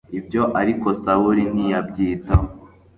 ibyo ariko sawuli ntiyabyitaho